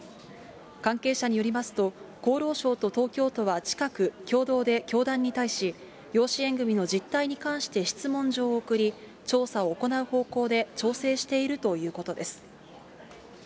関係者によりますと、厚労省と東京都は近く、共同で教団に対し、養子縁組みの実態に関して質問状を送り、調査を行う方向で調整しているということです。